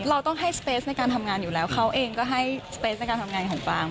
เราต้องให้สเปสในการทำงานอยู่แล้วเขาเองก็ให้สเปสในการทำงานของฟาง